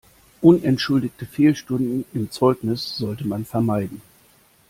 Unentschuldigte Fehlstunden im Zeugnis sollte man vermeiden.